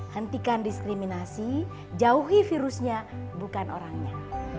hentikan diskriminasi jauhi virusnya bukan orangnya